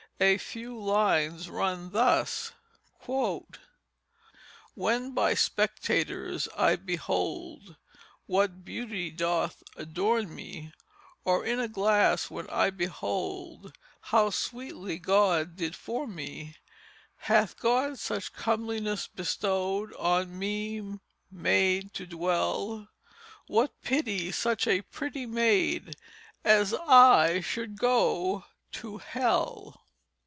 A few lines run thus: "When by Spectators I behold What Beauty doth adorn me Or in a glass when I behold How sweetly God did form me, Hath God such comeliness bestowed And on me made to dwell What pity such a pretty maid As I should go to Hell."